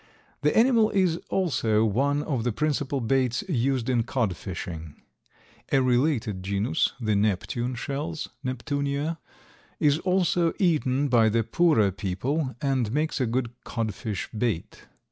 The animal is also one of the principal baits used in cod fishing. A related genus, the neptune shells (Neptunea), is also eaten by the poorer people and makes a good codfish bait.